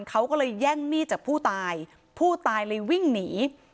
เขาก็เลยแย่งมีดจากผู้ตายผู้ตายเลยวิ่งหนี